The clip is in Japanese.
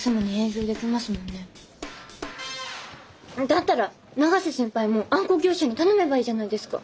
だったら永瀬先輩もあんこ業者に頼めばいいじゃないですか。